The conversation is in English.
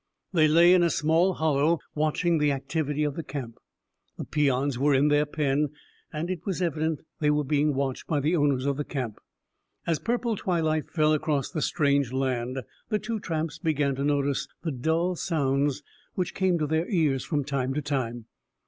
They lay in a small hollow, watching the activity of the camp. The peons were in their pen, and it was evident that they were being watched by the owners of the camp. As purple twilight fell across the strange land, the two tramps began to notice the dull sounds which came to their ears from time to time.